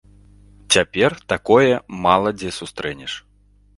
Цяпер такое мала дзе сустрэнеш.